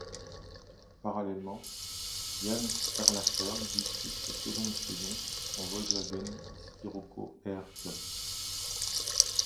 Parallèlement, Yann Ehrlacher dispute sa seconde saison en Volkswagen Scirocco-R Cup.